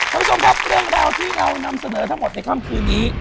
คุณผู้ชมครับเรื่องราวที่เรานำเสนอทั้งหมดในค่ำคืนนี้